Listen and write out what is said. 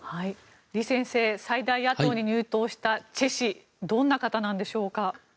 李先生、最大野党に入党したチェ氏どんな方なんでしょうか。